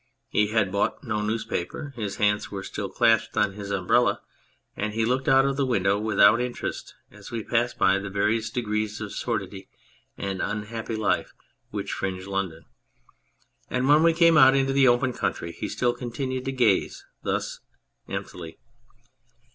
He had bought no newspaper, his hands were still clasped on his umbrella, and he looked out of the window without interest as we passed by the various degrees of sordid and unhappy life which fringe London. And when we came out into the open country he still continued to gaze thus emptily.